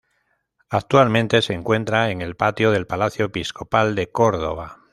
Actualmente se encuentra en el patio del Palacio Episcopal de Córdoba.